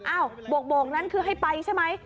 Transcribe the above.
โบกนั้นคือให้ไปใช่ไหม